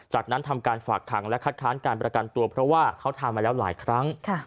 จากนั้นทำการฝากขังและคัดค้านการประกันตัวเพราะว่าเขาทำมาแล้วหลายครั้ง